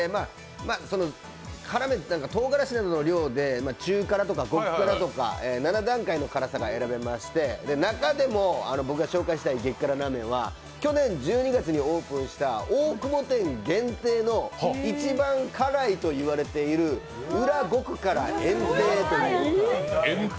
辛麺、とうがらしなどの量で中辛とか極辛とか７段階の辛さが選べまして、中でも僕が紹介したい激辛ラーメンは去年１２月にオープンした大久保店限定の一番辛いといわれてる裏極辛・炎帝という。